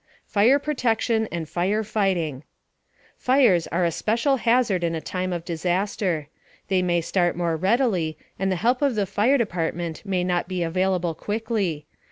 FIRE PROTECTION AND FIRE FIGHTING Fires are a special hazard in a time of disaster. They may start more readily, and the help of the fire department may not be available quickly.